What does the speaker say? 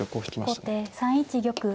後手３一玉。